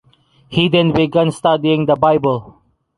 He then began studying the bible.